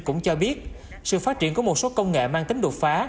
cũng cho biết sự phát triển của một số công nghệ mang tính đột phá